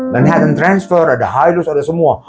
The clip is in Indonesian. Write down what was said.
dan ada transfer ada high lust ada semua